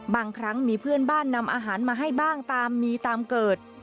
บางครั้งมีเพื่อนบ้านนำอาหารมาให้บ้างตามมีตามเกิด